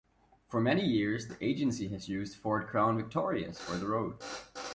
For many years, the agency has used Ford Crown Victorias for the road.